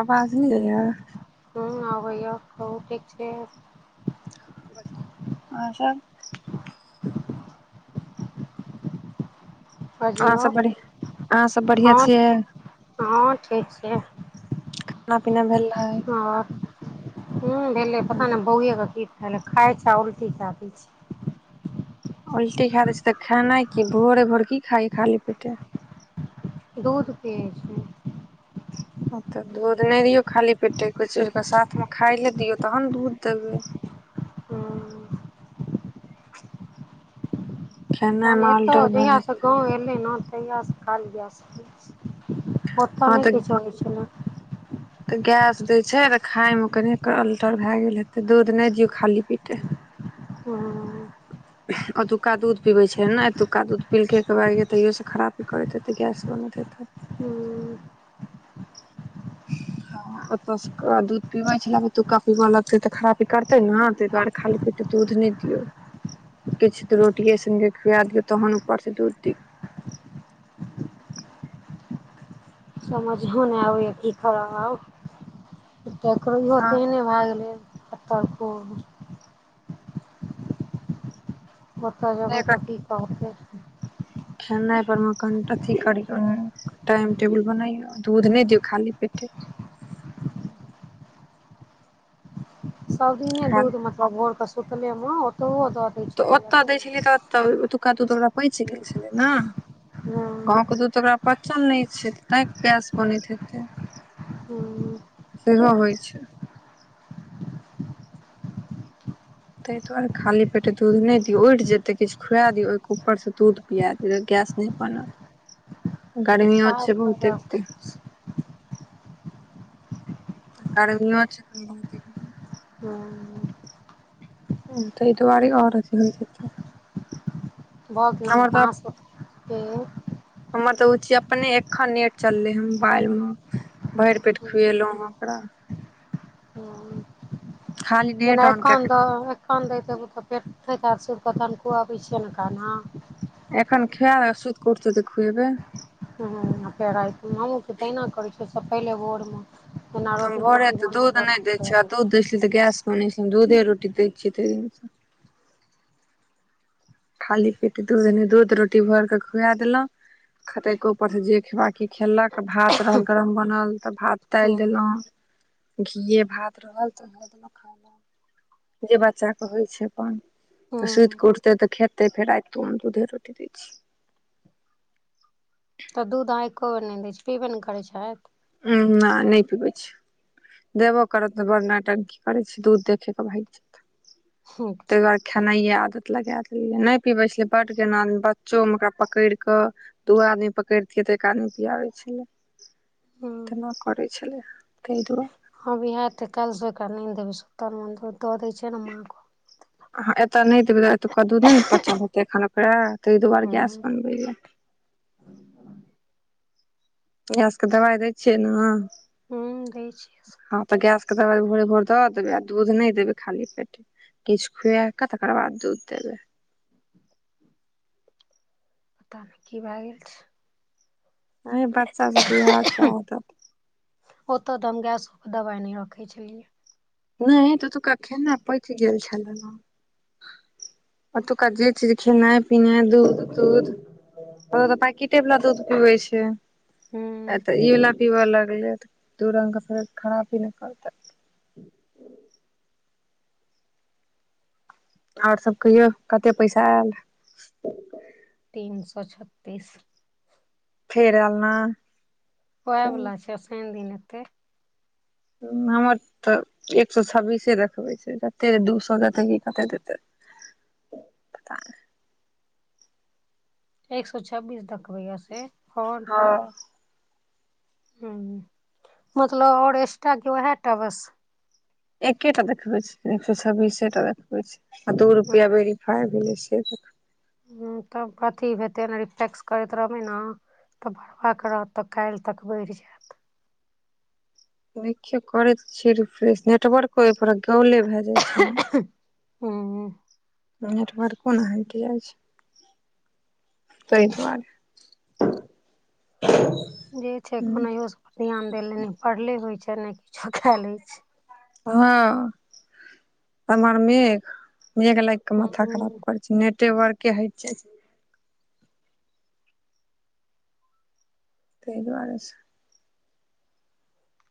आवाज नय एलै हँ आबैय कहु ठीक छी अहाँ सब अहाँ बजियौ सब बढ़ियाँ अहाँ सब बढ़ियाँ हँ छियै हँ ठीक छै खाना पीना भेलै हँ उंम्म भेलै पता नय बौए के की खाय छै आ उल्टी कै दै छै उल्टी खा दै छै तऽ खेनाइ की भोरे भोर की खाइब खाली पेटे दूध पियै छियै तऽ दूध नय दियौ खाली पेटे कुछ ओके साथमे खाइ लए दियौ तहन दूध देबै हूँ खेनाइ तहन मे एतऽ अल्टर भेल जहिया स हेतै गाँव एलै न तहियास सकाल जा सकै छी ओतऽ हँ नय तऽ किछु होइ छेलै तऽ गैस दै छै तऽ खायमे कनिक अल्टर भए गेल हेतै दूध नय दियौ खाली पेटे। हँ ओतुका दूध पिबैत छै ने एतुक्का दूध पीलकै एक बायगे तैयोसँ खराबी करैत हेतै गैस बनैत हेतै। हूँ हँ ओतऽ स ओकर बिद दूध पीबै छलै आब एतुका पीबऽ लगतै तऽ खराबी करतै ने ताहि दुआरे खाली पेटे दूध नय दियौ किछु रोटिये संगे खुआ दियौ तहन उपर से दूध दियौ समझहु नय आबैए की करब आब तकर इहो तेहने हँ भए गेलै पतड़ को ओतऽ जेबै तऽ की कहतै खेनाइ पर मे कन अथी करियौ टाइम टेबुल बनैयौ दूध नय दियौ खाली पेटे सबदिने खा दूध मतलब भोर केऽ सुतले मे ओतहुओ दै तऽ छलैए ओतय दै छेलियै खूब तऽ ओत ओतुका दूध ओकरा पचि गेल छलै ने हूँ गाँवके दूध तऽ ओकरा पचल नय छै तैं गैस बनैत हेतै हूँ सेहो होइ छै ताहि दुआरे खाली पेटे दूध नय दियौ उठि जेतै किछु खुआ दियौ ओहिके ऊपरसँ दूध पिया दियौ गैस नय बनत गर्मियो छै बहुते [unintelligible] आ गरमीओ छै अखन बहुत एकदम हँ तै दुआरे आओर अथी होइत हेतै भऽ गेल आहाँ सब के [unintelligible] हमर तऽ उची अपने अखन नेट चललै हन मोबाइल मे। भरि पेट खुएलौं हँ ओकरा। हँ खाली नेट जेना ऑन कए एखन द खान दैत ओ तऽ पेट फैत सकेऽ तनिको अबै छियै न खाना [unintelligible] एखन खैब आ सूति कऽ उठतै तऽ खुएबै हँ तऽ तहिना करै छै सब पहिले भोर मे हम भोरे तऽ दूध नय दै तऽ छियै आ दूध दै छलियै तऽ गैस बनै छलै हम दूधे रोटी दै छियै ताहि दिन सँ। खाली पेटे दूध नय दूध रोटी भोर कऽ खुआ देलौं। खैतेइ तैए के ऊपर से जे खेबाक रहल खैएलक भात रहल गरम बनल तऽ भात दालि हुँ देलहुँ। घीए भात रहल तऽ दऽ जे बच्चा कहे छै अप्पन तऽ सुति हुँ केऽ उठते तऽ खेत। तैए फेर राइत कऽ हम दूधे रोटी दै छिऐ। तऽ दूध एको बेर नहि दैए छै पीबे नहि करै छथि। हुँ ना नै पीबैए छै। दैबो करब तऽ बड़ नौटकी करेइ छे दूध देखैक भाइग जाइ छै। ह तहि दुआरे खैनाई आदत लगाए देलियै नहि पीबैत छलै, बड कना बच्चो मे ओकरा पकड़ि कऽ। दू आदमी पकड़तिए तऽ एक आदमी पियाबै छलै। हुँ तेना करै छलै ताहि दुआरे। हँ बिहार तऽ कऽ देब दे छै ने माँ को अहाँ ऐतए नैए देबेई तऽ अतुका दुध नैए नै पचल हैतेए अखन ओकरा तैए दुआरे गैस हुँ बनबै या। गैस के दबाई दैए छियै ने हू दैए छिऐ हँ तऽ गैस के दवाई भोरे भोर दऽ दैबेई आ दूध नहि देबेई खाली पेटे। किछु खुआ कऽ तकर बाद दुध देबेइ। ततामे कि भए गेल छै एहि बच्चा सभ के इहा छै आदत। ओतय तऽ हम गैसो के दबाई नही रखैइ छलिए। नहि ओतूका खेनाए पैइच गेल छलऽ अतुका जे चिज खेनाए पिना दूध तूध। ओतय तऽ पैकिटे वाला दूध पिबई छै। हुँ अतय इ वाला पीबय लगलेई दु रंग के खरापी नैए करते इ। ह ओर सभ कहियौ कतेक पैसा आयल। तीन सौ छत्तीस फेर आलन नै ओहा वाला छै शनि दिन के। हमर तऽ एक सौ छब्बीसे देखबेई छै तऽ दू सौ देतै कऽ कते देतै पता नइ एक सौछब्बीस देखबेई यै से ओर। हँ हम्म बुझलो ओर एस्ट्रा कि उहाटा बस। एकैए टा देखबै ई छै एक सौ छब्बीसे टा देखबै आ दू हुँ रुपआ बढ़ी गेल। खाइ भेलै से देख हैं तऽ कथी हेतैए ऐना जे टेक्स करैत रहबै ने। तऽ बर बाका रहत तऽ काल्हि तक बढ़ि जायत देखो करैत छिय रिफ्र नेटवर्को ओपर गाउले भए जाई छै ने हू नेटवार्को नहि हटि जाई छै सहि दुार। जे छै कोनायो सभ पर ध्यान देले ने पढ़ले होई छै ने किछो कए ले छै ह हमर मेघ मेघ लाग के माथा खराब हूँ करै छै नेटे वर्के हेइत छै तेइ दुआरे स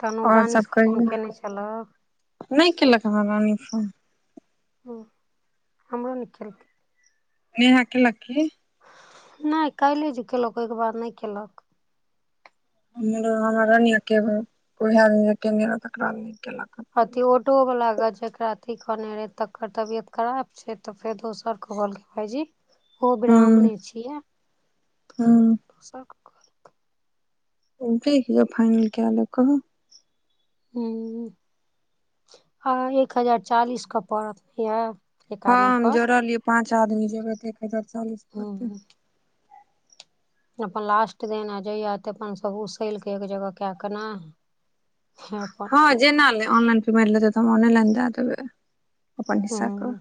तनु आओर सब रानीसँ फोन कहियौ केने छलऽ [inaudible] नहि केलक हमरा रानी फोन हँ हमरो नै केलकै नेहा केलक की नय काल्हे जे केलक ओहिके बाद नय कयलक [inaudible] त केलक फोन अभि ओ टो वला जेकरा अथी कहने रहे तकर तबियत खराब छै तऽ फेर दोसर कह कहल भायजी ओ ब्राह्मणे हँ छियै हँ [inaudible] ठीक य फाइनल केय क कहब [inaudible] ह आ एक हजार चालीस के पड़त नै य हँ हम जोड़लियै पाँच आदमी जबे त एक हजार चालीस पड़तै हँ अपन लास्ट दिन आ जइया तऽ अपन सभ उसल कऽ एक जगह कए के ने हँ अपन जेना ले ऑनलाइन पेमेन्ट लेतै त ऑनलाइन द देबै अपन हिसा कऽ हूँ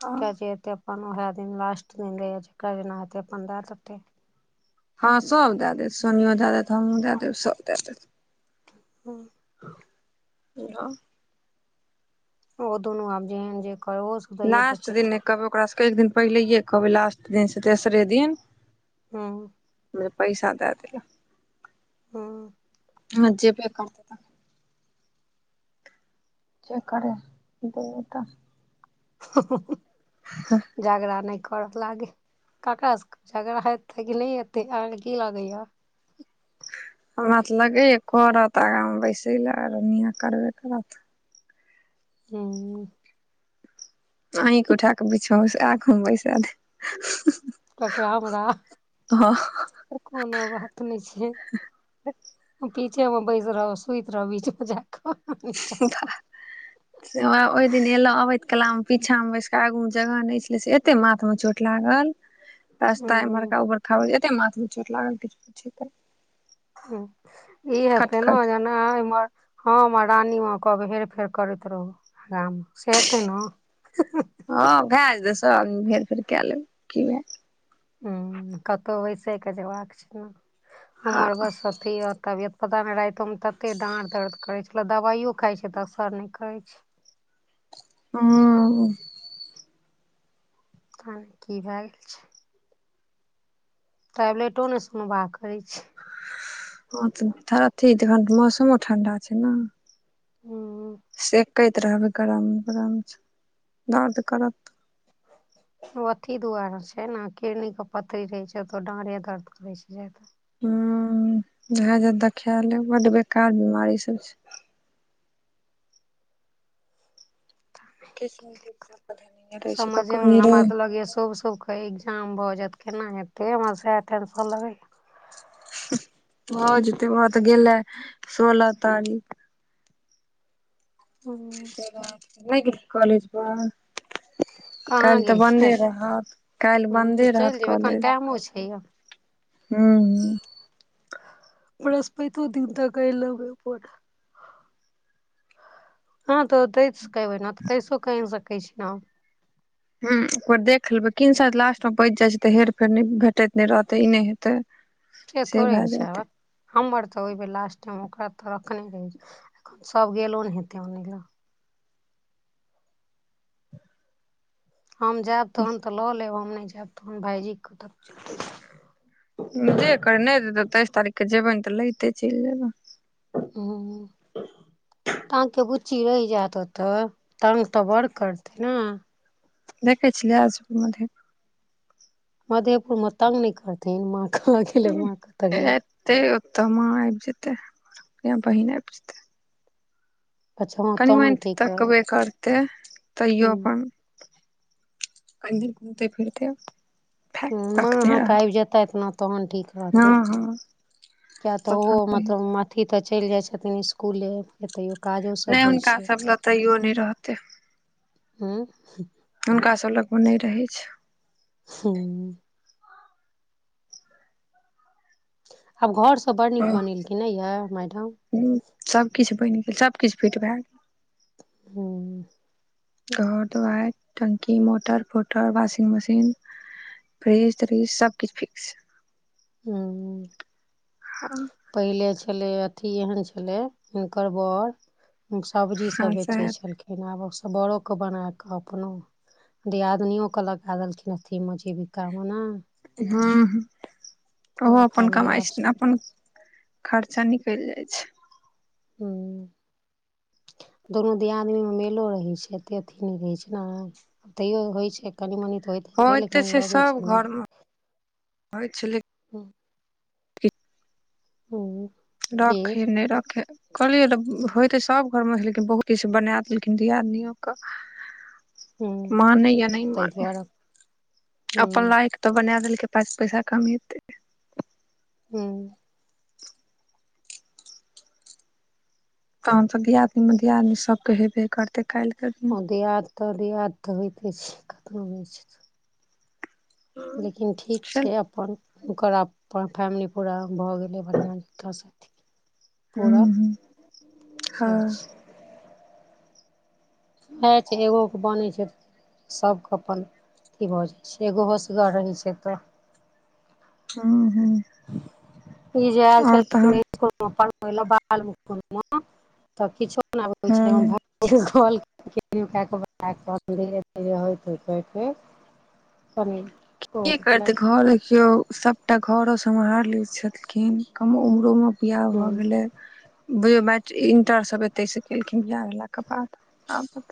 हँ अपन उहे दिन लास्ट दिन रह जेना पन्दह तटे हँ सब दए देत सोनियो दए देत हमूँ दए देब सब दए देत हँ हैलो ओ दुोनू आब जेहन जे करे लास्ट दिन नय कहबै ओकरा सभके एक दिन पहिलेए कहबै लास्ट दिनसँ तेसरे दिन हँ पैसा दै लेल हँ ह जेबै करते तऽ जे करे दुनूटा [unintelligible] झगड़ा नय करऽ लागे ककरा सब झगड़ा हेते कि नय एते अहाँ के की लगेया हमरा तऽ लगैए करत आगाँमे बैसय लए रनिया करबे करत हूँ अहिके उठा क बिछौ आख बैसा दे ककरा हमरा कोनो बात नइ छै पीचे मे बैस रहब सुईत रहब बीच मे जाक बाह [inaudible] से ओहि दिन एले अबैत कला मे पीछा मे बैसकऽ आगू मे जगह नय छलै से एते माथ मे चोट लागल हूँ रास्ता इम्हरका बरा एते माथट लागल किछ पूछे ह ई हते नै ओ खट जना इम्हर हँ रानीमे कहब हेर फेर करैत रहू अराम सेते न हँ भै जेते हेर फेर कए लेब की भए हु कतहु बैसै के जेबाक छै न हँ हमर बस अथी यऽ तबियत पता नै रायतो मे ततेक डाँर दर्द करै छैला दबाइयो खाइ छै तऽ असर नय करै छै हु पता नै कि भए गेल छै टैबलेटो नै सुनबा करै छै ह तथर अथीन मौसमो ठंडा छै हु सेके त रहबै गरम गरम दर्द करत ओ अथी दुआरे छै न किरनी के पथरी रहे छै तऽ डारे दर्द करै छै जादा हुम इहे जे देखाय ले बड बेकार बीमारी सभ छै किछ ने किछ सबके धेने रहै छै समझे ककरो मे हमरा निरोग तऽ लागया शुभ-शुभ कऽ एग्जाम भऽ जायत केना हेते हमरा सेह टेशन लागय भऽ जेतै भऽ तऽ गेले सोलह तारीख हूं नै गेलही कॉलज पर कहाँ काल्हि तऽ गेलियै बन्दे रहत, काल्हि हूं बन्दे रहा चलि जेबै एखन कॉलेज। टाइमो छै य हूं हूं बरसपैतो दिन तक के लगय हँ तऽ तैस कऽ एबै नै तऽ तैसो कऽ अइन सकै छी न हुँ एकबेर देख लेबै किन साइ लास्टो मे बचि जाइ छै तऽ हेर फेर भेटैत नैय रहतै ई नैय हेतै से थोड़े भए होई छै जेतै भक्क हमर तऽ ओइ बेर लास्ट टाइम ओकरा तऽ रखने रही एखन सभ गेलो ने हेते ओने ला हम जायब तहन तऽ लऽ लेब हम नै जायब तहन भाइजी के कतऽ चले जे कर नै तऽ तेइस तारीख के जेबैन तऽ लहित चलि जेबै आ अहा के बुच्ची रहि जेत ओतऽ तंग तऽ बड़ करतै नै देखै छलियै आजु म मधेपुर मे तंग नैय करथिन माँ कहा गेले माँ कतऽ गेले ते ओतऽ माँ आबि जेतै या बहिन आबि जेते। अच्छा हँ कनि मान तहन तऽ ठीक रहत तकबे करते तैयो हूं अपन कनी घूमते-फिरते ह माँ अहाँकेँ आबि जेथत न तहन ठीक हँ रहतै हँ किए तऽ ओहो तखन मतलब अथी तऽ चलि जाई छथिन इसकुले एतयो कऽ नैय हुनका सभ लग तैयो नै रहतै हू हुनका सभ लगमे नै रहै छै हु आब घर सभ बड़ नीक बनेलखिन नै यैय मैडम हु सभकिछ बनि गेल सभकिछ फिट भए गेल हु घर दुआई टंकी मोटर-फोटर वाशिंग मशीन फ्रीज-त्रीज सभकिछ फिक्स हु ह पहिले छेले अथी एहन छलै हिनकर बर सब्जी हँ सभ बेचै सएह छलखिन आब सभ बरोकेँ बना कऽ अपनो दियादनियो कऽ लगा देलखिन अथी मे जीविका मे ने ह ओ पूरा अपन फैमिली कमाई आब छै सेट अपन खर्चा निकल जाई छै हू दुनू दियादनी मे मेलो रहै छै एते अथी नै रहै छै तैयो होई छै कनि-मनी तऽ होई होत छै सभ घर मे होय छेलै हू। हू। रखै नै रखै कहलियै तऽ होयतै सभ घर मे लेकिन बहुत स बना देलखिन दियादनियो के हुँ मानै या नहि ताहि मानै दुआरे अपन हुँ लायइ कऽ तऽ बना देलकै पैसा कमेतै हू तहन तऽ दियादनी मे दियादनी सभके हेबे करतेल कैल्ह ओ दियाद तऽ दियाद तऽ होइते छै कतनो होय छै त लेकिन ठीक चल छै अपन ओकरा अप फैमिली पूरा भऽ गेलै बढ़िया ज साथ पूरा हूँ हँ से छै। इए छै एगो के बने छै सभके अपन अथी भऽ जाइ छै एगो होशगर रहै छै तऽ हूँ हुँ ई जे एल छेलखिन हुन तऽ किछो हूँ नैय आबै छलै हम कहलकै कि तऽ की करते घोरदेखियो सभटा घरो समहैर ले छेलखिन कम उमरो में बियाह भ गेलै बी ए मैट इंटर सभ एतै से केलखिन बियाह भेलाक बाद आब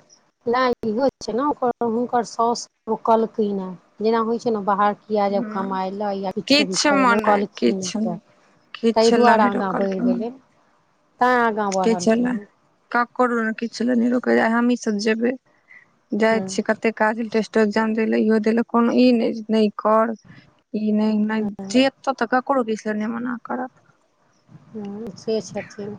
लाल हो छै। न ओकर हुनकर सोस रोकलकै नै जेना होइ छै ने बाहर या जब हँ कमाय लय या किछो भी किछु करैलय मने रौकलखिन किछु केँ तैय किछु लए दुआरे नहि आगाँ बैढ़ रोकलकै मने गेलै तै आगाँ किछु बढ़लखिन लए हन ककरो किछ ले नै रोकले आय हमही सभ जेबे जाय हँ छीयै कते काज टेस्ट एग्जाम दैले इहो देलक कोनो इ नैय नैय कर इ नैय नैय जे तब तऽ ककरौ दिस सँ नै मना करत हुँ सऽ छथिन